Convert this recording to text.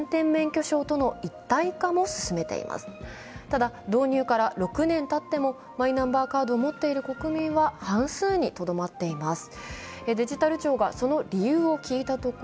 ただ、導入から６年たってもマイナンバーカードを持っている国民は半数にとどまっています。